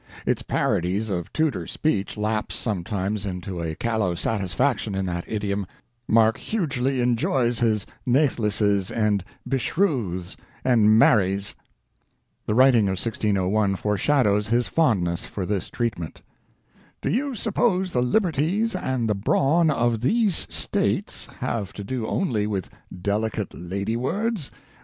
Its parodies of Tudor speech lapse sometimes into a callow satisfaction in that idiom Mark hugely enjoys his nathlesses and beshrews and marrys." The writing of 1601 foreshadows his fondness for this treatment. "Do you suppose the liberties and the Brawn of These States have to do only with delicate lady words?